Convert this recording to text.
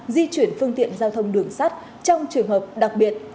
di chuyển phương tiện giao thông đường sắt trong trường hợp đặc biệt